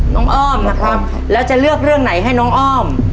อ้อมนะครับแล้วจะเลือกเรื่องไหนให้น้องอ้อม